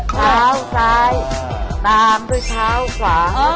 ขาวซ้ายตามด้วยขาวขวาง